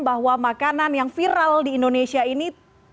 bahwa makanan yang viral di indonesia ini